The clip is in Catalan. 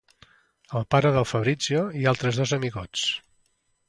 El pare del Fabrizio i altres dos amigots.